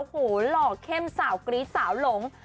หูยเหลาเข้มสาวกรี๊ดสาวหลง